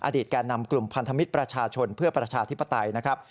แก่นำกลุ่มพันธมิตรประชาชนเพื่อประชาธิปไตยนะครับ